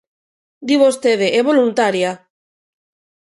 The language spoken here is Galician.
Di vostede: é voluntaria.